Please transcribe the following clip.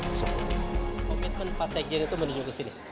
komitmen pak sekjen itu menuju ke sini